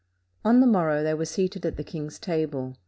On the morrow, they were seated at the king's table.